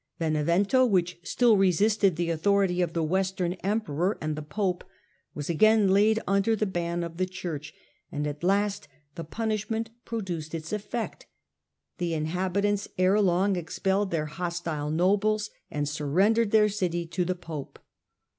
Benevento, which still resisted the authority of the Western emperor and the pope, was again laid under the ban of the Church, and at last the punishment produced its efiect. The inhabitants ere long expelled their hostile nobles, and surrendered their city to the pope.